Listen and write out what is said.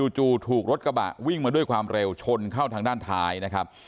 จู่ถูกรถกระบะวิ่งมาด้วยความเร็วชนเข้าทางด้านท้ายนะครับ